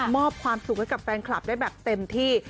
มอบความสุขให้กับแฟนคลับได้แบบเต็มที่